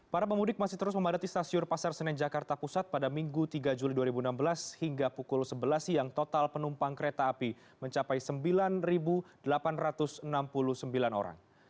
para pemudik masih terus memadati stasiun pasar senen jakarta pusat pada minggu tiga juli dua ribu enam belas hingga pukul sebelas siang total penumpang kereta api mencapai sembilan delapan ratus enam puluh sembilan orang